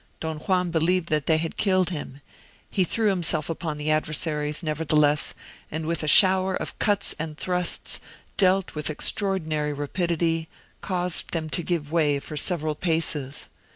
Don Juan believed they had killed him; he threw himself upon the adversaries, nevertheless, and with a shower of cuts and thrusts, dealt with extraordinary rapidity, caused them to give way for several paces.